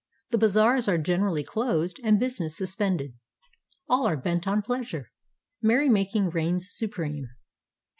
The bazaars are generally closed and business suspended. All are bent on pleasure. Merrymaking reigns supreme.